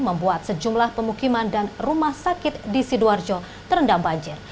membuat sejumlah pemukiman dan rumah sakit di sidoarjo terendam banjir